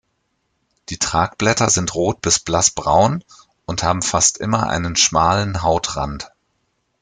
Die Tragblätter sind rot- bis blassbraun und haben fast immer einen schmalen Hautrand.